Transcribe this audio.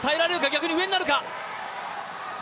逆に上になるか。